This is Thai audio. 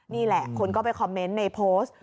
นี่แหละคนก็ไปคอมเมนต์ในโพสต์